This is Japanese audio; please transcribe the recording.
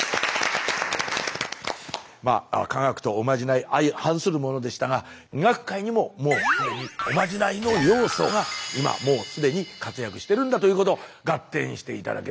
まあ科学とおまじない相反するものでしたが医学界にももう既におまじないの要素が今もう既に活躍してるんだということガッテンして頂けましたでしょうか？